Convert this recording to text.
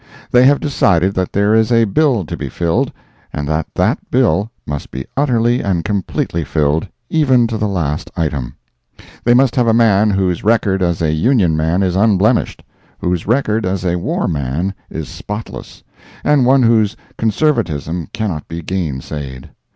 They have decided that there is a bill to be filled, and that that bill must be utterly and completely filled, even to the last item. They must have a man whose record as a Union man is unblemished; whose record as a war man is spotless; and one whose conservatism cannot be gain said.